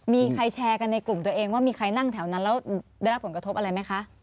มีใครแชร์กันในกลุ่มตัวเองว่ามีใครนั่งแถวนั้นแล้วได้รับผลกระทบอะไรไหมคะ